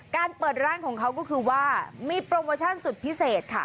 การเปิดร้านของเขาก็คือว่ามีโปรโมชั่นสุดพิเศษค่ะ